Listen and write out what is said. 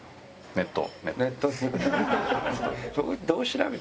ネット？